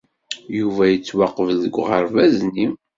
Yuba yettwaqbel deg uɣerbaz-nni.